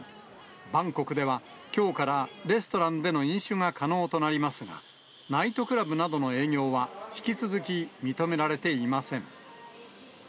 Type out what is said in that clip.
バンコクではきょうからレストランでの飲酒が可能となりますが、ナイトクラブなどの営業は、引き続き認められていません。